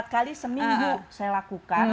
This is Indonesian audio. empat kali seminggu saya lakukan